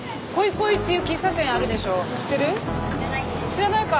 知らないか。